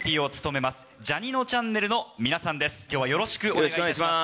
よろしくお願いします。